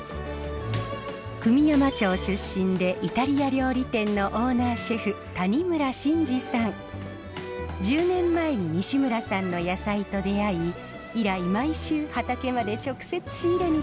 久御山町出身でイタリア料理店のオーナーシェフ１０年前に西村さんの野菜と出会い以来毎週畑まで直接仕入れに来るそうです。